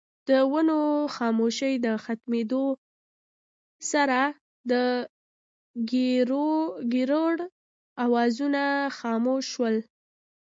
د ونو خاموشۍ د ختمېدو سره دکيرړو اوازونه خاموش شول